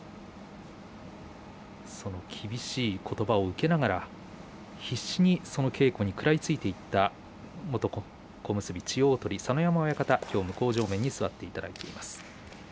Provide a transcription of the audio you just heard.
厳しいことばを受けながら必死に稽古に食らいついていった元小結千代鳳佐ノ山親方が、きょう向正面に座っていただいています。